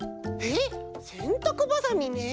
えっせんたくばさみね。